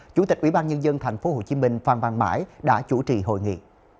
chủ tịch quỹ ban nhân dân tp hcm phan văn mãi đã chủ trì hội nghị